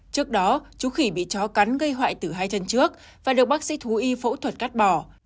trước đó chú khỉ bị chó cắn gây hoại tử hai chân trước và được bác sĩ thú y phẫu thuật cắt bỏ